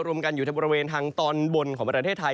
รวมกันอยู่ในบริเวณทางตอนบนของประเทศไทย